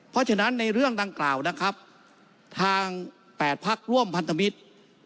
เพราะฉะนั้นในเรื่องดังกล่าวนะครับทาง๘พักร่วมพันธมิตร